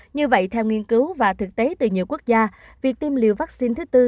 như vậy theo nghiên cứu và thực tế từ nhiều quốc gia việc tiêm liều vắc xin thứ bốn